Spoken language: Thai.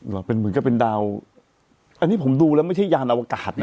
เหรอเป็นเหมือนกับเป็นดาวอันนี้ผมดูแล้วไม่ใช่ยานอวกาศนะ